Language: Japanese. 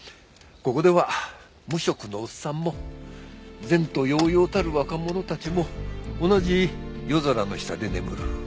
ここでは無職のおっさんも前途洋洋たる若者たちも同じ夜空の下で眠る。